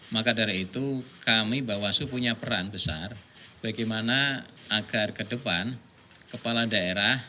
maka dari itu kami bawaslu punya peran besar bagaimana agar ke depan kepala daerah